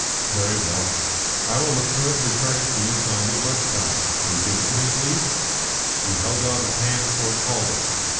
"Very well. I will look through it and return it to you, signed, at lunch time. Will you give it to me, please?" He held out his hand towards Calder.